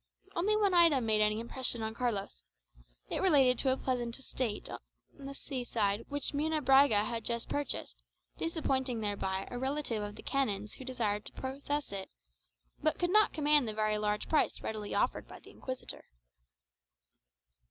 Only one item made any impression upon Carlos: it related to a pleasant estate by the sea side which Munebrãga had just purchased, disappointing thereby a relative of the canon's who desired to possess it, but could not command the very large price readily offered by the Inquisitor.